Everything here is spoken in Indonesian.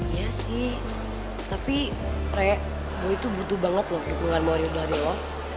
iya sih tapi rey boy itu butuh banget loh dukungan mario dari lo